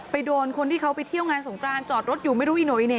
โดนคนที่เขาไปเที่ยวงานสงกรานจอดรถอยู่ไม่รู้อีโนอิเน่